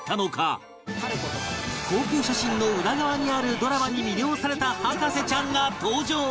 航空写真の裏側にあるドラマに魅了された博士ちゃんが登場